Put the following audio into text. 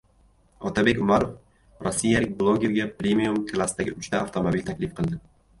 Otabek Umarov rossiyalik blogerga premium-klassdagi uchta avtomobil taklif qildi